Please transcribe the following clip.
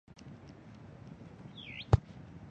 担任角色原案的夏元雅人有出其漫画版本。